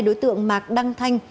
đối tượng mạc đăng thanh